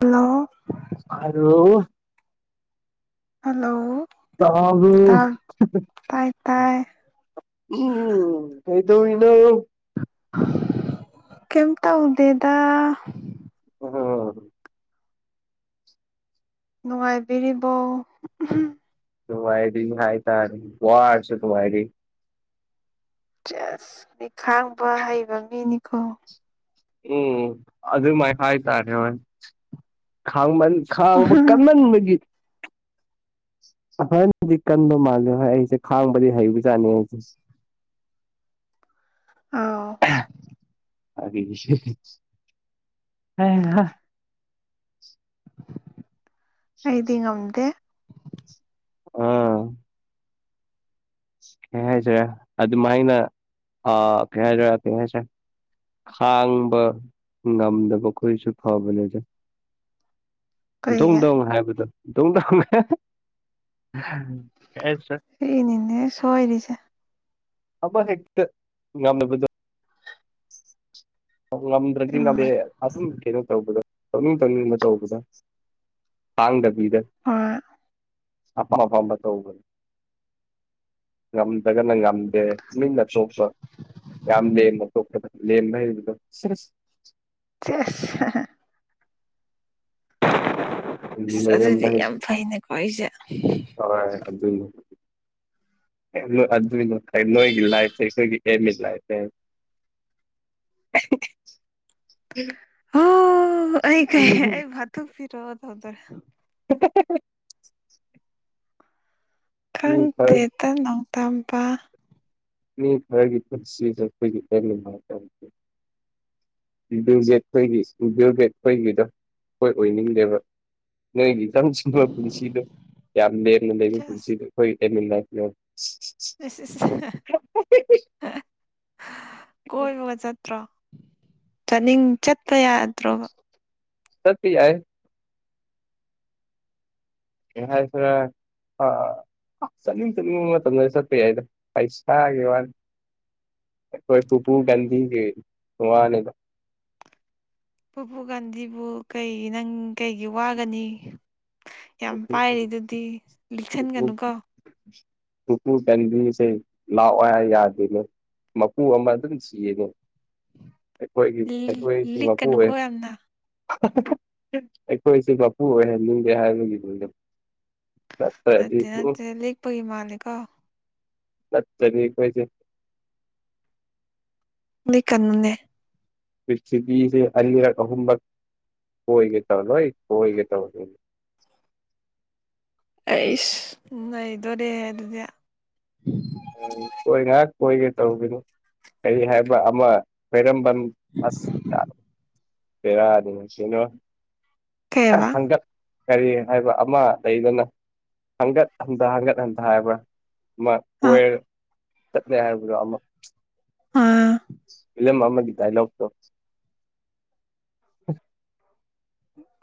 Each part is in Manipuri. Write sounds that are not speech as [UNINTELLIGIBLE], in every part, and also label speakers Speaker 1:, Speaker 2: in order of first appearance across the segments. Speaker 1: ꯍꯜꯂꯣ
Speaker 2: ꯍꯜꯂꯣ
Speaker 1: ꯍꯜꯂꯣ
Speaker 2: ꯇꯥꯕ꯭ꯔꯣ
Speaker 1: ꯇꯥ
Speaker 2: ꯍ
Speaker 1: ꯇꯥꯏ ꯇꯥꯏ
Speaker 2: ꯍ ꯎꯨꯝ ꯀꯩꯗꯧꯔꯤꯅꯣ
Speaker 1: ꯀꯩꯝ ꯇꯧꯗꯦꯗ
Speaker 2: ꯑꯣꯍꯣ
Speaker 1: ꯅꯨꯡꯉꯥꯏꯕꯤꯔꯤꯕꯣ ꯎꯍꯨ
Speaker 2: ꯅꯨꯡꯉꯥꯏꯔꯤ ꯍꯥꯏꯇꯥꯔꯦ ꯋꯥꯔꯁꯨ ꯅꯨꯉꯥꯏꯔꯤ
Speaker 1: ꯆꯦꯁ ꯈꯥꯡꯕ ꯍꯩꯕ ꯃꯤꯅꯤꯀꯣ
Speaker 2: ꯎꯨꯝ ꯑꯗꯨꯃꯥꯏ ꯍꯥꯏꯇꯥꯔꯦ ꯍꯣꯏ ꯈꯥꯡꯃꯟ ꯈꯥꯡꯕ ꯀꯟꯃꯟꯕꯒꯤ ꯍꯣꯏꯅꯗꯤ ꯀꯟꯕ ꯃꯥꯜꯂꯦ ꯍꯣꯏ ꯑꯩꯁꯦ ꯈꯥꯡꯕꯗꯤ ꯍꯩꯕꯖꯥꯠꯅꯤ ꯑꯩꯁꯦ
Speaker 1: ꯑꯧ
Speaker 2: [UNINTELLIGIBLE] ꯍꯩꯍꯥ
Speaker 1: ꯑꯩꯗꯤ ꯉꯝꯗꯦ
Speaker 2: ꯎꯨꯝ ꯀꯩ ꯍꯥꯏꯁꯤꯔꯥ ꯑꯗꯨꯃꯥꯏꯅ ꯑꯥ ꯀꯩ ꯍꯥꯏꯁꯤꯔꯥ ꯀꯩ ꯍꯥꯏꯁꯤꯔꯥ ꯈꯥꯡꯕ ꯉꯝꯗꯕꯈꯣꯏꯁꯨ ꯐꯕꯅꯦꯗ ꯗꯣꯡ
Speaker 1: ꯀꯩꯒꯤ
Speaker 2: ꯗꯣꯡ ꯍꯥꯏꯕꯗꯣ [UNINTELLIGIBLE]
Speaker 1: ꯑꯩꯅꯤꯅꯦ ꯁꯣꯏꯔꯤꯁꯦ
Speaker 2: ꯑꯃ ꯍꯦꯛꯇ ꯉꯝꯅꯕꯗꯣ ꯉꯝꯗ꯭ꯔꯗꯤ
Speaker 1: ꯏꯃꯥ
Speaker 2: ꯉꯝꯃꯦ ꯑꯗꯨꯝ ꯀꯩꯅꯣ ꯇꯧꯕꯗ ꯇꯧꯅꯤꯡ ꯇꯧꯅꯤꯡꯕ ꯇꯧꯕꯗꯣ ꯇꯥꯡꯗꯕꯤꯗ
Speaker 1: ꯍꯣꯏ
Speaker 2: ꯑꯄꯥꯝ ꯑꯄꯥꯝꯕ ꯇꯧꯕꯗꯣ ꯉꯝꯗ꯭ꯔꯒꯅ ꯉꯝꯗꯦ ꯇꯨꯃꯤꯟꯅ ꯇꯣꯛꯄ ꯌꯥꯝ ꯂꯦꯝꯃꯦ ꯇꯣꯛꯄꯗꯣ ꯂꯦꯝꯅ ꯍꯥꯏꯕꯗꯣ ꯁꯤꯁ
Speaker 1: ꯆꯦꯁ ꯑꯁ
Speaker 2: ꯂꯦꯝꯕ
Speaker 1: ꯑꯗꯨꯗꯤ
Speaker 2: ꯍꯩ
Speaker 1: ꯌꯥꯝ ꯐꯩꯅꯦꯀꯣ ꯑꯩꯁꯦ
Speaker 2: ꯍꯣꯏ ꯑꯗꯨꯅ ꯑꯗꯨ ꯅꯣꯏꯒꯤ ꯂꯥꯏꯐꯇꯤ ꯑꯩꯈꯣꯏꯒꯤ ꯑꯦꯝ ꯏꯟ ꯂꯥꯏꯐꯅꯦ ꯑꯥ ꯍ ꯍ
Speaker 1: ꯍ ꯑꯩ ꯀꯩ ꯑꯩꯕꯨ ꯍꯥꯇꯣꯛꯄꯤꯔꯣ ꯇꯥꯔꯦ
Speaker 2: ꯍ ꯍ ꯍ ꯍ
Speaker 1: ꯈꯪꯇꯦꯠꯇ ꯅꯣꯡꯗꯝꯕ
Speaker 2: ꯃꯤ ꯈꯔꯒꯤ ꯄꯨꯟꯁꯤꯁꯦ ꯑꯩꯈꯣꯏꯒꯤ ꯑꯦꯝ ꯏꯟ ꯂꯥꯏꯐ ꯍꯥꯏ ꯇꯥꯔꯦ [UNINTELLIGIBLE] ꯒꯤꯗꯣ ꯑꯩꯈꯣꯏ ꯑꯣꯏꯅꯤꯡꯗꯦꯕ ꯅꯪꯒꯤ ꯏꯆꯝ ꯆꯝꯕ ꯄꯨꯟꯁꯤꯗꯣ ꯌꯥꯝ ꯂꯦꯝꯅ ꯂꯩꯕ
Speaker 1: ꯁꯦꯁ
Speaker 2: ꯄꯨꯟꯁꯤꯗꯨ ꯍꯣꯏ ꯑꯦꯝ ꯏꯟ ꯂꯥꯏꯐꯅꯦ
Speaker 1: ꯑꯁ ꯑꯁ ꯑꯁ ꯍ ꯍ ꯍꯥ ꯀꯣꯏꯕꯒ ꯆꯠꯇ꯭ꯔꯣ ꯆꯠꯅꯤꯡ ꯆꯠꯄ ꯌꯥꯗ꯭ꯔꯣꯕ
Speaker 2: ꯆꯠꯄ ꯌꯥꯏ ꯀꯩ ꯍꯥꯏꯁꯤꯔ ꯑ ꯆꯠꯅꯤꯡ ꯆꯠꯅꯤꯡꯕ ꯃꯇꯝꯗꯗꯤ ꯆꯠꯄ ꯌꯥꯏꯗ ꯄꯩꯁꯥꯒꯤ ꯋꯥꯅꯤ ꯑꯩꯈꯣꯏ ꯄꯨꯄꯨ ꯒꯥꯟꯗꯤꯒꯤ ꯋꯥꯅꯤꯗ
Speaker 1: ꯄꯨ ꯒꯥꯟꯙꯤꯕꯨ ꯀꯩ ꯅꯪ ꯀꯩꯒꯤ ꯋꯥꯒꯅꯤ ꯌꯥꯝ
Speaker 2: ꯄꯨꯄꯨ
Speaker 1: ꯄꯥꯏꯔꯤꯗꯨꯗꯤ
Speaker 2: ꯄꯨꯄꯨ
Speaker 1: ꯂꯤꯛꯁꯤꯟꯒꯅꯨꯀꯣ
Speaker 2: ꯄꯨꯄꯨ ꯒꯥꯟꯙꯤꯁꯦ ꯂꯥꯛꯑꯣ ꯍꯥꯏ ꯌꯥꯗꯦꯅꯦ ꯃꯄꯨ ꯑꯃ ꯑꯗꯨꯝ ꯁꯤꯌꯦꯀꯣ ꯑꯩꯈꯣꯏꯒꯤ ꯑꯩꯈꯣꯏꯁꯤ ꯃꯄꯨ ꯑꯣꯏ
Speaker 1: ꯂꯤꯛꯀꯅꯨꯀꯣ ꯌꯥꯝꯅ
Speaker 2: ꯑꯩꯈꯣꯏꯁꯦ ꯃꯄꯨ ꯑꯣꯏꯍꯟꯅꯤꯡꯗꯦ ꯍꯥꯏꯕꯒꯤꯄꯤꯗ
Speaker 1: ꯅꯠꯇꯦ ꯅꯠꯇꯦ ꯂꯦꯛꯄꯒꯤ ꯃꯥꯂꯤꯀꯣ
Speaker 2: ꯅꯠꯇ꯭ꯔꯗꯤ ꯑꯩꯈꯣꯏꯁꯦ
Speaker 1: ꯂꯤꯛꯀꯅꯨꯅꯦ
Speaker 2: ꯄ꯭ꯔꯤꯊꯤꯕꯤꯁꯤ ꯑꯅꯤꯔꯛ ꯑꯍꯨꯝꯔꯛ ꯀꯣꯏꯒꯦ ꯇꯧ ꯂꯣꯏ ꯀꯣꯏꯒꯦ ꯇꯧꯅꯤꯅꯦ
Speaker 1: ꯑꯩꯁ ꯅꯩꯗꯣꯔꯦꯍꯦ ꯑꯗꯨꯗꯤ
Speaker 2: ꯎꯝ ꯀꯣꯏ ꯉꯍꯥꯛ ꯀꯣꯏꯒꯦ ꯇꯧꯕꯅꯤ ꯀꯔꯤ ꯍꯥꯏꯕ ꯑꯃ ꯈ꯭ꯋꯥꯏꯔꯝꯕꯟ ꯑꯁ ꯄꯦꯔꯥꯅꯤꯁꯤ ꯑ
Speaker 1: ꯀꯩꯕ
Speaker 2: ꯍꯪꯒꯠ ꯀꯔꯤ ꯍꯥꯏꯕ ꯑꯃ ꯂꯩꯗꯅ ꯍꯥꯡꯒꯠ ꯍꯟꯊꯥ ꯍꯟꯒꯠ ꯍꯟꯊꯥ ꯍꯥꯏꯕ꯭ꯔ ꯑꯃ
Speaker 1: ꯑ
Speaker 2: ꯀꯣꯏꯔ ꯆꯠꯂꯦ ꯍꯥꯏꯕꯗꯣ ꯑꯃ
Speaker 1: ꯑꯥ
Speaker 2: ꯐꯤꯂꯝ ꯑꯃ ꯑꯃꯒꯤ ꯗꯥꯏꯂꯣꯒ ꯇꯣ ꯑ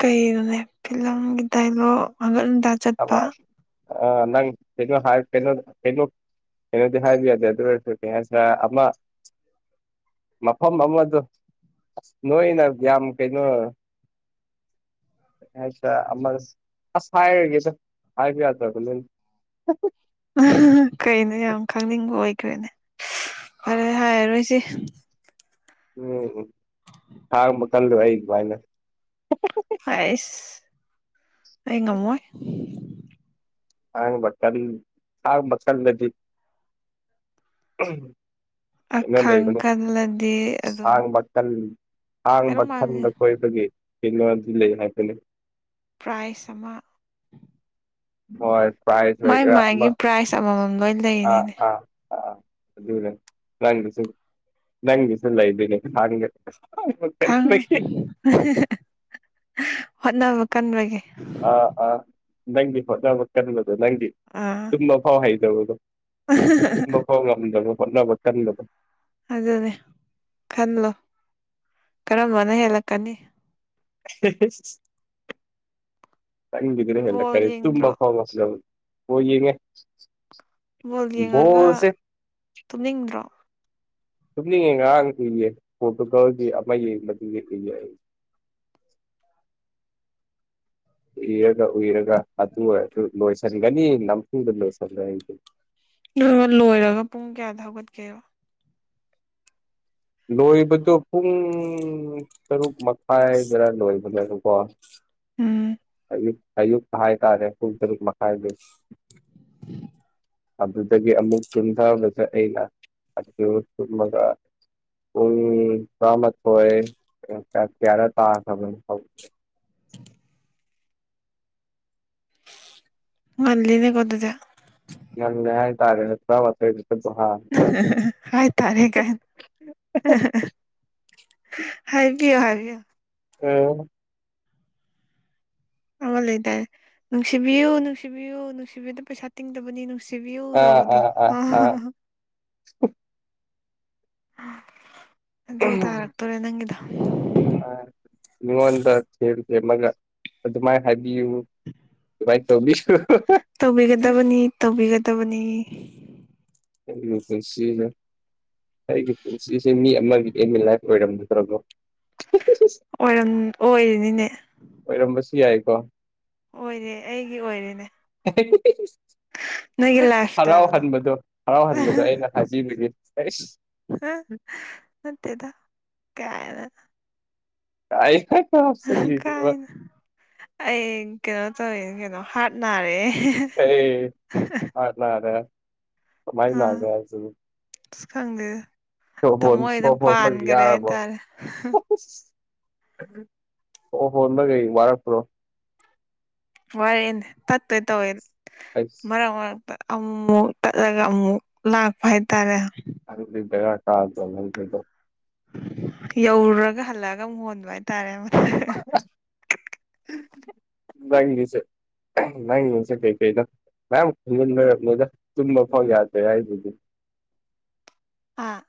Speaker 1: ꯀꯩꯩꯅꯣꯅꯦ ꯐꯤꯂꯝꯒꯤ ꯗꯥꯏꯂꯣꯒ ꯍꯟꯒꯠ ꯍꯟꯗꯥ
Speaker 2: ꯑꯕ
Speaker 1: ꯆꯠꯄ
Speaker 2: ꯑ ꯅꯪꯩ ꯀꯩꯅꯣ ꯍꯥꯏ ꯀꯩꯅꯣ ꯗꯣ ꯀꯩꯅꯣ ꯀꯩꯅꯣꯗꯤ ꯍꯥꯏꯕ ꯌꯥꯗꯦ ꯑꯗꯨꯑꯣꯏꯁꯨ ꯀꯩꯅꯣ ꯑꯃ ꯃꯐꯝ ꯑꯃꯗꯣ ꯅꯣꯏꯅ ꯌꯥꯝ ꯀꯩꯅꯣ [UNINTELLIGIBLE] ꯍꯥꯏꯕ ꯌꯥꯗꯕꯅꯅꯤ
Speaker 1: ꯀꯩꯅꯣ ꯌꯥꯝ ꯈꯪꯅꯤꯡꯕ ꯑꯣꯏꯈ꯭ꯔꯦꯅꯦ ꯐꯔꯦ ꯍꯥꯏꯔꯔꯣꯏꯁꯤ
Speaker 2: ꯎꯝ ꯎꯝ ꯈꯥꯡꯕ ꯀꯜꯂꯨ ꯑꯩ ꯑꯗꯨꯃꯥꯏꯅ
Speaker 1: ꯑꯩꯁ ꯑꯩ ꯉꯝꯃꯣꯏ
Speaker 2: ꯈꯥꯡꯕ ꯀꯟ ꯈꯥꯡꯕ ꯀꯜꯂꯗꯤ ꯀꯩꯅꯣ
Speaker 1: ꯑꯈꯥꯡ
Speaker 2: ꯂꯩꯕꯅꯦꯅ
Speaker 1: ꯀꯜꯂꯗꯤ ꯑꯗꯨꯝ
Speaker 2: ꯁꯥꯥꯡꯕꯀꯟ ꯈꯥꯡꯕ
Speaker 1: ꯀꯩꯅꯣꯝ ꯍꯥꯏꯕꯅꯦ
Speaker 2: ꯀꯟꯕ ꯀꯣꯏꯕꯒꯤ ꯀꯩꯅꯣꯗꯤ ꯂꯩ ꯍꯥꯏꯕꯅꯤ
Speaker 1: ꯄ꯭ꯔꯥꯏꯖ ꯑꯃ
Speaker 2: ꯍꯣꯏ ꯄ꯭ꯔꯥꯏꯖ
Speaker 1: ꯃꯥꯏ
Speaker 2: ꯑꯣꯏꯒꯦꯔ ꯑꯃ
Speaker 1: ꯃꯥꯏꯒꯤ ꯄ꯭ꯔꯥꯏꯖ ꯑꯃꯃꯝ ꯂꯣꯏ
Speaker 2: ꯑꯥ
Speaker 1: ꯂꯩꯔꯤꯅꯤꯅꯦ
Speaker 2: ꯑꯥ ꯑ ꯑꯗꯨꯅꯦ ꯅꯪꯒꯤꯁꯨ ꯅꯪꯒꯤꯁꯨ ꯂꯩꯗꯣꯏꯅꯤ [UNINTELLIGIBLE]
Speaker 1: ꯈꯪ ꯍꯣꯠꯅꯕ ꯀꯟꯕꯒꯤ
Speaker 2: ꯅꯪꯗꯤ ꯍꯣꯠꯅꯕ ꯀꯟꯕꯗꯣ ꯅꯪꯗꯤ
Speaker 1: ꯑꯥ
Speaker 2: ꯇꯨꯝꯕ ꯐꯥꯎ ꯍꯩꯇꯕꯗꯣ ꯇꯨꯝꯕꯐꯥꯎ ꯉꯝꯗꯕ ꯍꯣꯠꯅꯕ ꯀꯟꯕꯗꯣ
Speaker 1: ꯑꯗꯨꯅꯦ ꯈꯜꯂꯣ ꯀꯔꯝꯕꯅ ꯍꯦꯜꯂꯛꯀꯅꯤ
Speaker 2: ꯅꯪꯒꯤꯗꯨꯅ
Speaker 1: ꯕꯣꯜ
Speaker 2: ꯍꯦꯜꯂꯛꯀꯅꯤ
Speaker 1: ꯌꯦꯡꯗ꯭ꯔꯣ
Speaker 2: ꯇꯨꯝꯕꯐꯥꯎ ꯑꯣ ꯌꯦꯡꯉꯦ
Speaker 1: ꯕꯣꯜ ꯌꯦꯡꯉꯒ
Speaker 2: ꯕꯣꯜꯁꯦ
Speaker 1: ꯇꯨꯝꯅꯤꯡꯗ꯭ꯔꯣ
Speaker 2: ꯇꯨꯝꯅꯤꯡꯉꯦ ꯉꯔꯥꯡꯒꯤ ꯎꯏꯌꯦ ꯄꯣꯔꯇꯨꯒꯜꯒꯤ ꯑꯃ ꯌꯦꯡꯕꯗꯨꯒꯤ ꯎꯏꯌꯦ ꯑꯩ ꯎꯏꯔꯒ ꯎꯏꯔꯒ ꯍꯥꯊꯨ ꯍꯥꯊꯨ ꯂꯣꯏꯁꯤꯟꯒꯅꯤ ꯅꯝꯐꯨꯗ ꯂꯣꯏꯁꯜꯂꯦ ꯑꯩꯗꯤ
Speaker 1: ꯑꯗꯨꯒ ꯂꯣꯏꯔꯒ ꯄꯨꯡ ꯀꯌꯥꯗ ꯍꯧꯒꯠꯀꯦꯕ
Speaker 2: ꯂꯣꯏꯕꯗꯣ ꯄꯨꯡ ꯇꯔꯨꯛ ꯃꯈꯥꯏꯗꯔ ꯂꯣꯏꯕꯅꯦꯕꯀꯣ
Speaker 1: ꯎꯝ
Speaker 2: ꯑꯌ ꯑꯌꯨꯛꯇꯛꯇ ꯍꯥꯏ ꯇꯥꯔꯦ ꯄꯨꯡ ꯇꯨꯛ ꯃꯈꯥꯏꯗꯩ
Speaker 1: [INAUDIBLE]
Speaker 2: ꯑꯗꯨꯗꯒꯤ ꯑꯃꯨꯛ ꯇꯨꯝꯊꯕꯁꯦ ꯑꯩꯅ ꯑꯗꯨ ꯇꯨꯝꯃꯒ ꯄꯨꯡ ꯇ꯭ꯔꯥꯃꯥꯊꯣꯏ ꯀꯌꯥ ꯀꯌꯥꯅꯣ ꯇꯥꯈꯔꯕꯅꯦ
Speaker 1: ꯉꯜꯂꯤꯅꯦꯀꯣ ꯑꯗꯨꯗꯤ
Speaker 2: ꯉꯜꯂꯦ ꯍꯥꯏꯇꯥꯔꯦ ꯇꯔꯥꯃꯥꯊꯣꯏ [UNINTELLIGIBLE] ꯍꯥ
Speaker 1: ꯍꯥꯏꯇꯥꯔꯦꯒꯥꯏꯅ ꯍꯥꯏꯕꯤꯌꯣ ꯍꯥꯏꯕꯤꯌꯣ
Speaker 2: ꯑꯣ
Speaker 1: ꯑꯃ ꯂꯩꯇꯥꯔꯦ ꯅꯨꯡꯁꯤꯕꯤꯌꯨ ꯅꯨꯡꯁꯤꯕꯤꯌꯨ ꯅꯨꯡꯁꯤꯕꯤꯕꯗ ꯄꯩꯁꯥ ꯇꯤꯡꯗꯕꯅꯤ ꯅꯨꯡꯁꯤ
Speaker 2: ꯑ ꯑ
Speaker 1: ꯚꯌꯎꯗꯎꯗ
Speaker 2: ꯑ
Speaker 1: ꯑꯗꯨ ꯇꯥꯔꯛꯇꯣꯔꯦ ꯅꯪꯒꯤꯗ
Speaker 2: ꯑ ꯃꯤꯉꯣꯟꯗ ꯊꯦꯝ ꯊꯦꯝꯃꯒ ꯑꯗꯨꯃꯥꯏꯅ ꯍꯥꯏꯕꯤꯌꯨ ꯚꯥꯏ ꯇꯧ ꯃꯤꯁꯨ
Speaker 1: ꯇꯧꯕꯤꯒꯗꯕꯅꯤ ꯇꯧꯕꯤꯒꯗꯕꯅꯤ
Speaker 2: ꯈꯨꯁꯤꯖꯦ ꯑꯩꯒꯤ ꯄꯨꯟꯁꯤꯁꯦ ꯃꯤ ꯑꯃꯒꯤ ꯑ ꯏꯟ ꯂꯥꯏꯐ ꯑꯣꯏꯔꯝ ꯅꯠꯇ꯭ꯔꯕꯣ
Speaker 1: ꯑꯣꯏꯝ ꯑꯣꯏꯔꯤꯅꯤꯅꯦ
Speaker 2: ꯑꯣꯏꯔꯝꯕꯁꯨ ꯌꯥꯏꯀꯣ
Speaker 1: ꯑꯣꯏꯔꯦ ꯑꯩꯒꯤ ꯑꯣꯏꯔꯦꯅꯦ
Speaker 2: [UNINTELLIGIBLE]
Speaker 1: ꯅꯣꯏꯒꯤ ꯂꯥꯏꯐ ꯏꯁꯇꯥꯏꯜꯗꯣ
Speaker 2: ꯍꯔꯥꯎꯍꯟꯕꯗꯣ ꯍꯔꯥꯎꯍꯟꯕꯗꯣ ꯑꯩꯅ ꯍꯥꯏꯕꯤꯕꯒꯤꯁ
Speaker 1: ꯑ ꯃꯠꯇꯦꯗ ꯀꯅ
Speaker 2: ꯇꯥꯏ ꯐꯥꯏ ꯐ ꯍꯥꯞꯁꯜ ꯂꯤꯗꯦꯕ
Speaker 1: ꯀꯥꯏꯅ ꯑꯩ ꯀꯩꯅꯣ ꯇꯧꯋꯦ ꯀꯩꯅꯣ ꯍꯥꯔꯠ ꯅꯥꯔꯦ
Speaker 2: ꯑꯩ
Speaker 1: ꯑꯥ
Speaker 2: [UNINTELLIGIBLE]
Speaker 1: ꯑꯁ ꯈꯪꯗꯦꯗ ꯊꯃꯣ
Speaker 2: ꯍꯣꯟ
Speaker 1: ꯍꯣꯏꯗ ꯄꯥꯟꯈꯔꯦ ꯍꯥꯏꯇꯥꯔꯦ
Speaker 2: ꯑꯣ ꯍꯣ ꯅ ꯀꯩ ꯋꯥꯔꯛꯄ꯭ꯔꯣ
Speaker 1: ꯋꯥꯔꯦꯦꯅꯦ ꯇꯠꯇꯣꯏ ꯇꯧꯋꯦ
Speaker 2: ꯑꯩꯁ
Speaker 1: ꯃꯔꯛ ꯃꯔꯛ ꯑꯃꯨꯛ ꯇꯠꯂꯒ ꯑꯃꯨꯛ ꯂꯥꯛꯄ ꯍꯥꯏꯇꯥꯔꯦ
Speaker 2: [UNINTELLIGIBLE]
Speaker 1: ꯌꯧꯔꯨꯔꯒ ꯍꯜꯂꯛꯑꯒ ꯑꯃꯨꯛ ꯍꯣꯟꯕ ꯍꯥꯏꯇꯥꯔꯦ [INAUDIBLE]
Speaker 2: [UNINTELLIGIBLE] ꯅꯪꯉꯁꯦ ꯀꯩꯀꯩꯅꯣ ꯃꯌꯥꯝ ꯈꯟꯖꯤꯟ ꯑꯣꯏꯔꯛꯅꯤꯗ ꯇꯨꯝꯕ ꯐꯥꯎ ꯌꯥꯗ꯭ꯔꯦ ꯍꯥꯏꯗꯨꯗꯤ
Speaker 1: ꯑꯥ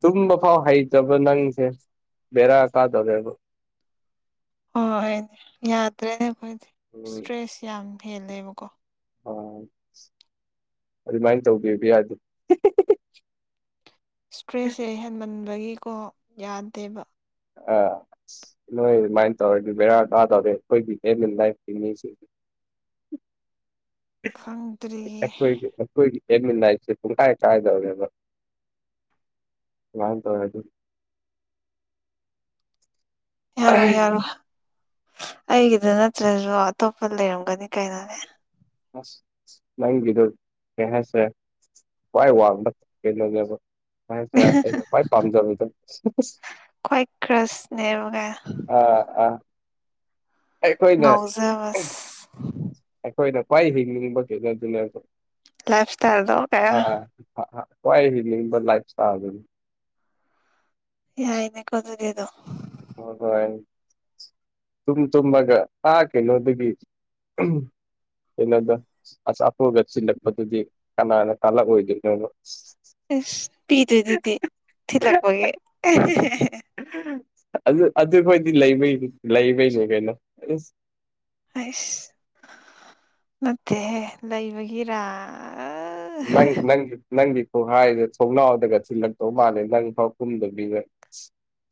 Speaker 2: ꯇꯨꯝꯕ ꯐꯥꯎ ꯍꯩꯇꯕ ꯅꯪꯁꯦ ꯕꯦꯔꯥ ꯀꯥꯗꯧꯔꯦꯕ
Speaker 1: ꯍꯣꯏꯣꯏꯅꯦ ꯌꯥꯗ꯭ꯔꯦꯅꯦ ꯑꯩꯈꯣꯏꯗꯤ
Speaker 2: ꯎꯝ
Speaker 1: ꯏꯁꯇ꯭ꯔꯦꯁ ꯌꯥꯝ ꯍꯦꯜꯂꯦꯕꯀꯣ
Speaker 2: ꯎꯝ ꯑꯗꯨꯃꯥꯏꯅ ꯇꯧꯕꯤꯕ ꯌꯥꯗꯦ
Speaker 1: ꯏꯁꯇ꯭ꯔꯦꯁꯁꯦ ꯍꯦꯟꯃꯟꯕꯒꯤꯀꯣ ꯌꯥꯗꯦꯕ
Speaker 2: ꯑ ꯑꯁ ꯅꯣꯏ ꯑꯗꯨꯃꯥꯏꯅ ꯇꯧꯔꯗꯤ ꯕꯦꯔꯥ ꯑꯥ ꯇꯧꯔꯗꯤ ꯑꯩꯈꯣꯏꯒꯤ ꯑꯦꯟ ꯏꯟ ꯂꯥꯏꯐꯀꯤ ꯃꯤꯁꯤꯡꯁꯦ
Speaker 1: ꯈꯪꯗ꯭ꯔꯤꯌꯦ
Speaker 2: ꯑꯩꯏꯗꯤ ꯑꯩꯈꯣꯏꯗꯤ ꯑꯦꯃꯤꯁꯤꯦ ꯄꯨꯡ ꯀꯥꯏ ꯀꯥꯏꯗꯧꯒꯦꯕ ꯋꯥ ꯇꯧ ꯑꯗꯨ
Speaker 1: ꯌꯥꯔꯣꯏ ꯌꯥꯔꯣꯏ ꯑꯩꯒꯤꯗ ꯅꯠꯇ꯭ꯔꯁꯨ ꯑꯇꯣꯞꯄ ꯂꯩꯔꯝꯒꯅꯤ ꯀꯩꯅꯣꯅꯦ
Speaker 2: ꯅꯗ ꯀꯁꯦ ꯋꯥꯏ ꯋꯥꯗꯣ ꯍꯁ ꯍꯚꯥꯏ ꯀꯝꯖꯝꯗ
Speaker 1: ꯈ꯭ꯋꯥꯏ ꯀ꯭ꯔꯁꯅꯦꯕ ꯀꯥꯏ
Speaker 2: ꯑ ꯑꯥ ꯑꯩꯈꯣꯏꯅ
Speaker 1: ꯉꯥꯎꯖꯕ
Speaker 2: ꯑꯩꯈꯣꯏꯅ ꯈ꯭ꯋꯥꯏ ꯍꯤꯡꯅꯤꯡꯕꯒꯤꯩꯅ ꯑꯗꯨꯅꯦ ꯀ
Speaker 1: ꯂꯥꯏꯐ ꯏꯁꯇꯥꯏꯜꯗꯣ ꯀꯌꯥ
Speaker 2: ꯍ ꯂꯥꯏꯐꯇ ꯑꯗꯨ
Speaker 1: ꯌꯥ ꯏꯅꯦ ꯀ ꯑꯗꯨꯗꯤꯗꯣ
Speaker 2: [UNINTELLIGIBLE] ꯇꯨꯝ ꯇꯨꯝꯃꯒꯥ ꯀꯩꯅꯣꯗꯒꯤ ꯀꯩꯅꯣꯗ ꯑꯁ ꯑꯐꯣꯒ ꯆꯤꯜꯂꯛꯄꯗꯨꯗꯤ ꯀꯅꯥꯅ ꯇꯥꯜꯂꯛꯑꯣꯏꯗꯣꯏꯅꯣ
Speaker 1: ꯑꯁ ꯄꯤꯗꯣꯏꯗꯨꯗꯤ ꯊꯤꯜꯂꯛꯄꯒꯤ
Speaker 2: ꯑꯗꯨ ꯑꯗꯨꯈꯣꯏꯗꯤ ꯂꯩꯩ ꯂꯩꯕꯩꯅꯦ ꯀꯩꯅꯣ
Speaker 1: ꯑꯩꯁ ꯅꯠꯇꯦꯍ ꯂꯩꯕꯒꯤꯔ
Speaker 2: ꯅꯪ ꯅꯪ ꯅꯪꯒꯤ ꯈꯨꯍꯥꯏꯗ ꯊꯣꯡꯅꯥꯎꯗꯒ ꯊꯤꯜꯂꯛꯇꯧ ꯃꯥꯜꯂꯦ ꯅꯪ ꯐꯥꯎ ꯀꯨꯝꯗꯕꯤꯗ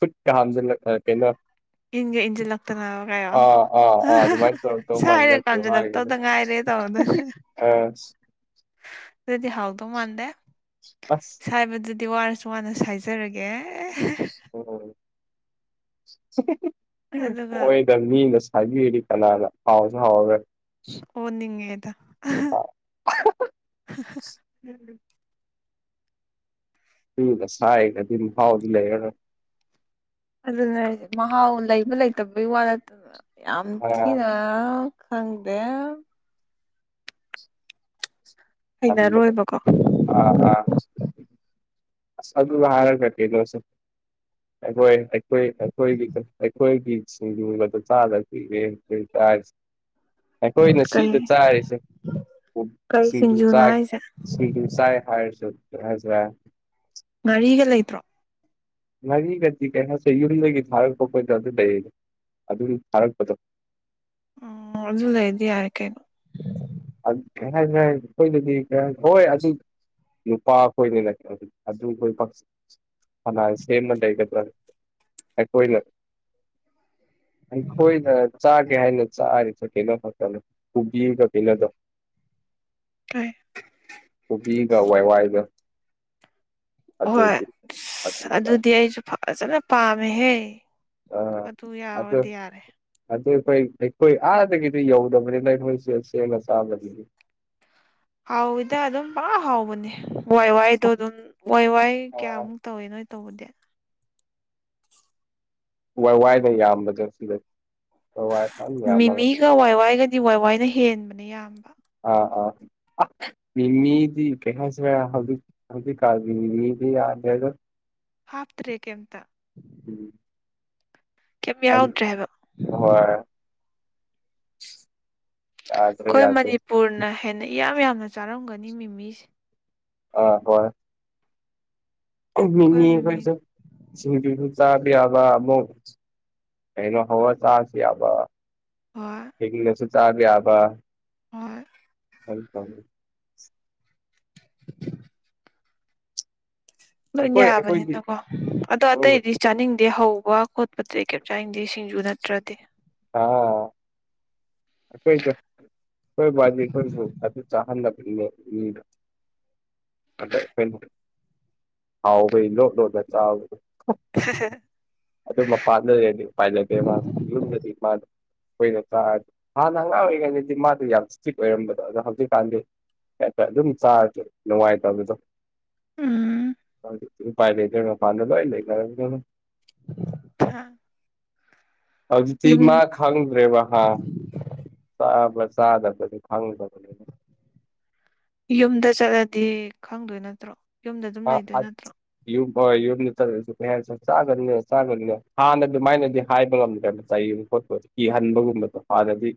Speaker 2: ꯐꯠꯀ ꯍꯥꯝꯖꯜꯂ ꯀꯩꯅꯣ
Speaker 1: ꯏꯟꯒ ꯏꯟꯁꯤꯜꯂꯛꯇꯅꯕ ꯀꯥꯏꯌꯣ
Speaker 2: ꯑ ꯑꯥ ꯑ ꯑꯗꯨ ꯇꯧꯔꯝꯗꯧ
Speaker 1: ꯁꯥꯏꯔ
Speaker 2: ꯃꯟꯖꯜꯂꯛ ꯃꯅ ꯇꯣ
Speaker 1: ꯀꯥꯝꯁꯤꯜꯂꯛꯇꯧꯗ ꯉꯥꯏꯔꯦ ꯇꯧꯕꯗꯨꯅ
Speaker 2: ꯑ
Speaker 1: ꯑꯗꯨꯗꯤ ꯍꯧꯎꯗꯣ ꯃꯥꯗ
Speaker 2: ꯑꯁ
Speaker 1: ꯁꯥꯏꯕꯗꯨꯗꯤ ꯋꯥꯅꯁꯨ ꯋꯥꯅ ꯁꯥꯏꯖꯔꯒꯦ ꯑꯦ
Speaker 2: ꯑꯣ
Speaker 1: ꯑꯗꯨꯒ
Speaker 2: ꯑꯣꯏ ꯃꯤꯅ ꯁꯥꯕꯤꯔꯤ ꯀꯅꯥꯅ ꯍꯥꯎꯁꯨꯦ ꯍꯥꯎꯔꯒ
Speaker 1: ꯑꯣꯅꯤꯡꯉꯗ
Speaker 2: [UNINTELLIGIBLE] ꯑꯗꯨꯒ ꯁꯥꯏꯒ ꯑꯗꯨꯝ ꯐꯥꯎꯗꯤ ꯂꯩꯔꯔ
Speaker 1: ꯑꯗꯨꯅ ꯃꯍꯥꯎ ꯂꯩꯕ ꯂꯩꯇꯕꯒꯤ ꯋꯥ ꯅ ꯌꯥꯝ
Speaker 2: ꯑꯥ
Speaker 1: ꯊꯤꯅ ꯑ ꯈꯪꯗꯦ
Speaker 2: ꯑ
Speaker 1: ꯍꯩꯅꯔꯣꯏꯕꯀꯣ
Speaker 2: ꯑ ꯑ ꯑꯗꯨ ꯍꯔ ꯐꯂꯣ ꯑ ꯑꯩꯈꯣꯏ ꯑꯩꯈꯣꯏ ꯑꯩꯈꯣꯏꯒꯤ ꯑꯩꯈꯣꯏꯒꯤ ꯁꯤꯡꯒꯨꯝꯕꯗ ꯆꯥꯗ ꯄꯤꯔ ꯇꯥꯏꯁ ꯑꯩꯈꯣꯏꯅ ꯁꯤꯗ
Speaker 1: ꯀꯩ
Speaker 2: ꯆꯥꯔꯤꯁꯦ
Speaker 1: ꯀꯩ
Speaker 2: ꯁꯤꯡꯖꯨ
Speaker 1: ꯁꯤꯡꯖꯨꯅꯣ
Speaker 2: ꯆꯥꯒ
Speaker 1: ꯍꯥꯏꯁꯦ
Speaker 2: ꯁꯤꯡꯖꯨ ꯆꯥꯏ ꯍꯥꯏꯔꯁꯨꯖ
Speaker 1: ꯉꯥꯔꯤꯒ ꯂꯩꯇ꯭ꯔꯣ
Speaker 2: ꯉꯥꯔꯤꯒꯗꯤ ꯀꯩꯅꯣꯁꯦ ꯌꯨꯝꯗꯒꯤ ꯊꯥꯔꯛꯄ ꯈꯣꯠꯇꯣ ꯑꯗꯨ ꯂꯩꯌꯦꯗ ꯑꯗꯨꯒꯤ ꯊꯥꯔꯛꯄꯗꯣ
Speaker 1: ꯎꯝ ꯑꯗꯨ ꯂꯩꯗꯤ ꯌꯥꯔꯦ ꯀꯩꯅꯣ
Speaker 2: ꯀꯩ ꯍꯥꯏꯅꯤ ꯍꯥꯏꯅꯤ ꯑꯩꯈꯣꯏꯗꯗꯤ ꯀ ꯍꯣꯏ ꯑꯗꯨ ꯅꯨꯄꯥ ꯑꯩꯈꯣꯏ ꯂꯩꯔꯛꯀꯦ ꯑꯗꯨ ꯑꯩꯈꯣꯏ ꯀꯅꯥ ꯁꯦꯝꯃ ꯂꯩꯒꯗ꯭ꯔꯥ ꯑꯩꯈꯣꯏꯅ ꯈꯣꯏꯅ ꯆꯥꯒꯦ ꯍꯥꯏꯅ ꯆꯥꯔꯤꯁ ꯀꯩꯅꯣ ꯈꯛꯇꯅ ꯄꯨꯕꯤꯒ ꯀꯩꯅꯣꯗꯣ
Speaker 1: [UNINTELLIGIBLE]
Speaker 2: ꯀꯣꯕꯤꯒ ꯋꯥꯏ ꯋꯥꯏꯒ
Speaker 1: ꯍꯣꯏ
Speaker 2: ꯑꯗꯨ ꯆꯥꯏ
Speaker 1: ꯑꯗꯨꯗꯤ ꯑꯩꯁꯨ ꯐꯖꯅ ꯄꯥꯝꯃꯦꯍꯦ
Speaker 2: ꯑꯥ
Speaker 1: ꯑꯗꯨ
Speaker 2: ꯑꯗꯨ
Speaker 1: ꯌꯥꯎꯔꯗꯤ ꯌꯥꯔꯦ
Speaker 2: ꯑꯗꯨ ꯑꯩꯈꯣꯏ ꯑꯩꯈꯣꯏ ꯑꯥꯗꯒꯤꯗꯤ ꯌꯧꯗꯕꯅꯤꯅ ꯑꯩꯈꯣꯏꯁꯦ ꯁꯦꯡꯅ ꯆꯥꯕꯒꯤꯗꯤ
Speaker 1: ꯍꯥꯎꯋꯤꯗ ꯑꯗꯨꯝ ꯄꯥꯛ ꯍꯥꯎꯕꯅꯦ ꯋꯥꯏ ꯋꯥꯏꯗꯣ ꯑꯗꯨꯝ ꯋꯥꯏ ꯋꯥꯏ ꯀꯌꯥꯃꯨꯛ ꯇꯧꯋꯦ ꯅꯣꯏ ꯇꯧꯕꯗꯤ
Speaker 2: ꯋꯥ ꯋꯥꯏꯗ ꯌꯥꯝꯕꯗ ꯁꯤꯗ ꯋꯥꯏ ꯌꯥꯝꯃ
Speaker 1: ꯅꯪ ꯋꯥꯏ ꯋꯥꯏꯒꯗꯤ ꯋꯥꯏ ꯋꯥꯏꯅ ꯍꯦꯟꯕꯅꯦ ꯌꯥꯝꯕ
Speaker 2: ꯑ ꯑꯥ ꯃꯤꯃꯤꯗꯤ ꯀꯩꯍꯁꯤ ꯍꯧ ꯑꯗꯨ ꯗꯤ ꯀꯥꯕꯤꯗꯤ ꯌꯥꯗ
Speaker 1: ꯍꯥꯐꯇꯔꯦ ꯀꯦꯝꯃꯥ
Speaker 2: ꯎꯝ
Speaker 1: ꯀꯩꯝ ꯌꯥꯎꯗ꯭ꯔꯦ ꯍꯥꯏꯕ
Speaker 2: ꯍꯣꯏ ꯌꯥꯗ꯭ꯔꯦ
Speaker 1: ꯑꯩꯈꯣꯏ
Speaker 2: ꯌꯥꯗ꯭ꯔꯦ
Speaker 1: ꯃꯅꯤꯄꯨꯔꯅ ꯍꯦꯟꯅ ꯏꯌꯥꯝ ꯌꯥꯝꯅ ꯆꯥꯔꯝꯒꯅꯤ ꯃꯤꯃꯤꯁꯦ
Speaker 2: ꯑꯥ ꯍꯣꯏ ꯃꯤꯃꯤ ꯑꯩꯈꯣꯏꯁꯨ ꯁꯤꯡꯖꯨꯁꯨ ꯆꯥꯕ ꯌꯥꯕ ꯑꯃ ꯑꯩꯅ ꯍꯋꯥ ꯆꯥꯁꯤ ꯑꯕ
Speaker 1: ꯍꯣꯏ
Speaker 2: ꯅꯁ ꯆꯥꯦ ꯑꯕ
Speaker 1: ꯍꯣꯏ
Speaker 2: [UNINTELLIGIBLE]
Speaker 1: ꯂꯣꯏ
Speaker 2: ꯑꯩꯈꯣꯏꯗꯤ
Speaker 1: ꯌꯥꯕꯅꯤꯅꯀꯣ ꯑꯗꯣ ꯑꯇꯩꯗꯤ ꯆꯥꯅꯤꯡꯗꯦ ꯍꯧꯕ ꯈꯣꯠꯄ ꯑꯇꯩ ꯀꯩꯝ ꯆꯥꯅꯤꯡꯗꯦ ꯁꯤꯡꯖꯨ ꯅꯠꯇ꯭ꯔꯗꯤ
Speaker 2: ꯍꯥ ꯑꯩꯈꯣꯏꯗꯨ ꯑꯩꯈꯣꯏ [UNINTELLIGIBLE] ꯑꯗꯨ ꯆꯥꯍꯟꯅꯗꯕꯅꯦ [UNINTELLIGIBLE] ꯍꯥꯎꯕꯩ ꯂꯣꯗ ꯂꯣꯗ ꯆꯥꯕꯗꯣ
Speaker 1: [UNINTELLIGIBLE]
Speaker 2: ꯑꯗꯨ ꯃꯄꯥꯟꯗ ꯂꯩꯔꯗꯤꯠ ꯎꯄꯥꯏ ꯂꯩꯇꯦ ꯃꯥ ꯌꯨꯝꯗꯗꯤ ꯃꯥꯅ ꯑꯩꯈꯣꯏꯅ ꯆꯥ ꯍꯥꯟꯅ ꯑꯉꯥꯡ ꯑꯣꯏꯔꯤꯉꯩꯗꯗꯤ ꯃꯥꯗꯤ ꯌꯥꯝ ꯏꯁꯇ꯭ꯔꯤꯛ ꯑꯣꯏꯔꯝꯕꯗꯣ ꯑꯗꯣ ꯍꯧꯖꯤꯛꯀꯥꯟꯗꯤ ꯍꯦꯛꯇ ꯑꯗꯨꯝ ꯆꯥꯔꯁꯨ ꯅꯨꯡꯉꯥꯏꯇꯕꯗꯣ
Speaker 1: ꯎꯝ
Speaker 2: [UNINTELLIGIBLE] ꯎꯄꯥꯏ ꯂꯩꯇꯦ ꯃꯄꯥꯟꯗ ꯂꯣꯏ ꯂꯩꯅꯔꯗꯨꯕꯨ
Speaker 1: [UNINTELLIGIBLE]
Speaker 2: ꯍꯧꯖꯤꯛꯇꯤ
Speaker 1: ꯌꯨꯝ
Speaker 2: ꯃꯥ ꯈꯪꯗ꯭ꯔꯦꯕ ꯍꯥ ꯆꯥꯕ ꯆꯥꯗꯕꯗꯤ ꯈꯪꯗꯕꯅꯤꯗ
Speaker 1: ꯌꯨꯝꯗ ꯆꯠꯂꯗꯤ ꯈꯪꯗꯣꯏ ꯅꯠꯇ꯭ꯔꯣ ꯌꯨꯝꯗ ꯑꯗꯨꯝ ꯂꯩꯗꯣꯏ ꯅꯠꯇ꯭ꯔꯣ
Speaker 2: [UNINTELLIGIBLE] ꯌꯨꯝ ꯑꯣꯏ ꯌꯨꯝꯗ ꯆꯠꯂꯁꯨ ꯀꯩ ꯍꯦꯟꯁꯨ ꯆꯥꯒꯅꯤꯅ ꯆꯥꯒꯅꯤꯅ ꯍꯥꯟꯅ ꯑꯗꯨꯃꯥꯏꯅꯗꯤ ꯍꯥꯏꯕ ꯉꯝꯗ꯭ꯔꯦꯕ [UNINTELLIGIBLE] [UNINTELLIGIBLE] ꯀꯤꯍꯟꯕꯒꯨꯝꯕꯗꯣ ꯑꯗꯗꯤ